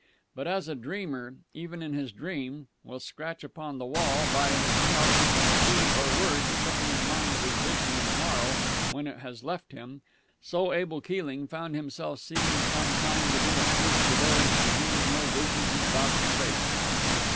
But as a dreamer, even in his dream, will scratch upon the wall by his couch some key or word to put him in mind of his vision on the morrow when it has left him, so Abel Keeling found himself seeking some sign to be a proof to those to whom no vision is vouchsafed.